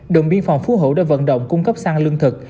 đồng biên phòng phú hữu đã vận động cung cấp xăng lương thực